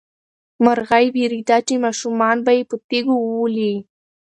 مرغۍ وېرېده چې ماشومان به یې په تیږو وولي.